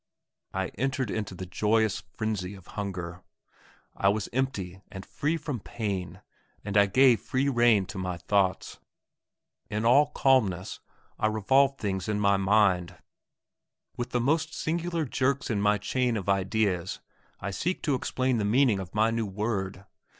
I entered into the joyous frenzy of hunger. I was empty and free from pain, and I gave free rein to my thoughts. In all calmness I revolve things in my mind. With the most singular jerks in my chain of ideas I seek to explain the meaning of my new word.